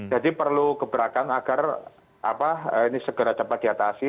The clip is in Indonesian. jadi perlu gebrakan agar ini segera dapat diatasi